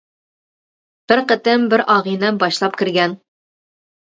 بىر قېتىم بىر ئاغىنەم باشلاپ كىرگەن.